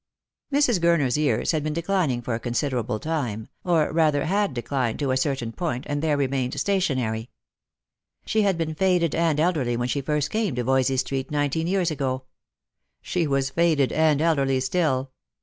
Mrs. Guruer's years had been declining for a considerable time, or rather had declined to a certain point, and there remained stationary. She had been faded and elderly when she first came to Yoysey street, nineteen years ago. She was faded and elderly still.